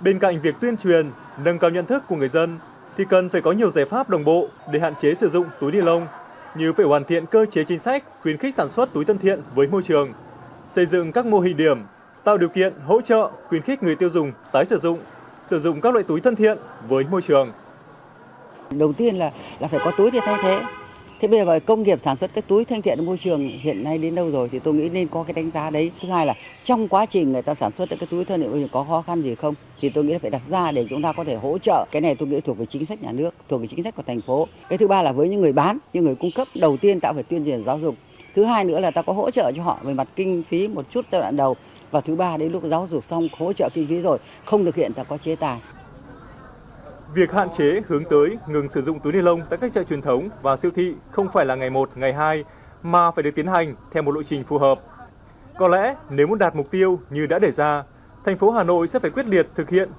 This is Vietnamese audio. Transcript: bên cạnh việc tuyên truyền nâng cao nhận thức của người dân thì cần phải có nhiều giải pháp đồng bộ để hạn chế sử dụng túi đi lông như phải hoàn thiện cơ chế chính sách khuyến khích sản xuất túi thân thiện với môi trường xây dựng các mô hình điểm tạo điều kiện hỗ trợ khuyến khích người tiêu dùng tái sử dụng tái sử dụng